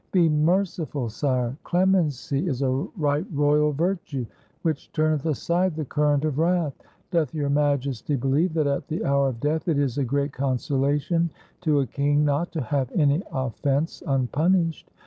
Be merciful, sire! Clemency is a right royal virtue which turneth aside the current of wrath. Doth Your Majesty believe that at the hour of death it is a great consolation to a king not to have any offense unpunished?